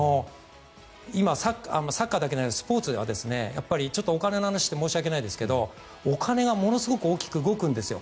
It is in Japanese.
今、サッカーだけではなくスポーツはちょっとお金の話をして申し訳ないですが、お金がものすごく動くんですよ。